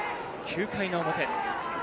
９回の表。